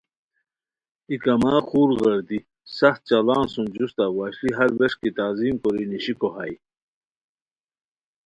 ای کما خور غیردی سخت چاڑان سُم جوستہ وشلی ہر ووݰکی تعظیم کوری نیشیکو ہائے